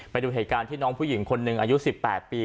ไปดูเหตุการณ์ที่น้องผู้หญิงคนหนึ่งอายุ๑๘ปี